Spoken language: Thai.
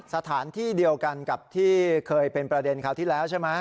สถานที่เดียวกันกับที่เคยเป็นประเด็นคราวที่แล้วใช่ไหม